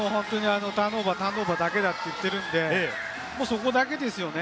ターンオーバー、ターンオーバーだけだと言っているんで、そこだけですよね。